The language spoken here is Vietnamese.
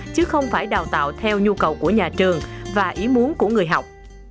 chứ không phải đào tạo theo nhu cầu của nhà trường và ý muốn của người học